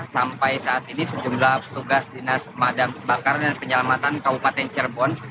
sampai saat ini sejumlah petugas dinas madang bakar dan penyelamatan kabupaten cirebon